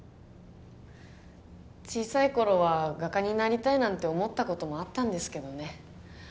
小さい頃は画家になりたいなんて思ったこともあったんですけどね